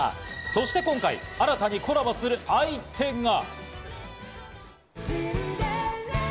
そして今回、新たにコラボする相手が。